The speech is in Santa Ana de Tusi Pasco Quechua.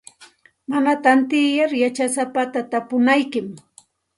Mana tantiyar yachasapata tapunaykim.